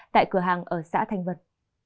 tại cửa hàng ở xã thanh vân